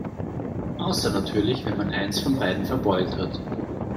Außer natürlich, wenn man eins von beiden verbeult hat.